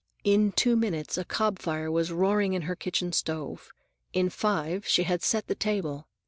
In two minutes a cob fire was roaring in her kitchen stove, in five she had set the table.